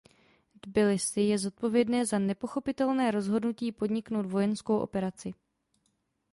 Tbilisi je zodpovědné za nepochopitelné rozhodnutí podniknout vojenskou operaci.